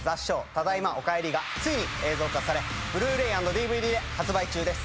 ただいま、おかえり』がついに映像化されＢｌｕ−ｒａｙ＆ＤＶＤで発売中です。